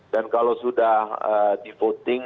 kalau sudah di voting